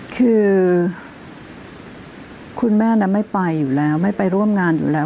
คือคุณแม่ไม่ไปอยู่แล้วไม่ไปร่วมงานอยู่แล้ว